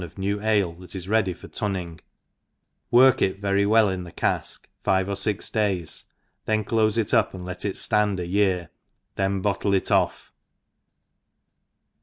<^f new ale that is ready for turning, work it very well in thie caflc fiv^cor fix days, then clofe It up ^d let it fland a ye^r, t|icn bcxtlc it off.